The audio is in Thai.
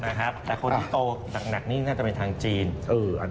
นะครับแต่คนที่โตหนักนี่น่าจะเป็นชายจีน